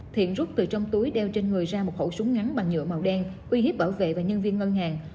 thiện rút từ trong túi đeo trên người ra một khẩu súng ngắn bằng nhựa màu đen uy hiếp bảo vệ và nhân viên ngân hàng